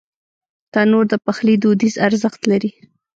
تنور د پخلي دودیز ارزښت لري